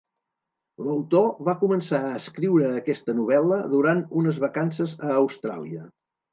L'autor va començar a escriure aquesta novel·la durant unes vacances a Austràlia.